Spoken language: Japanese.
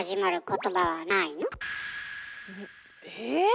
え？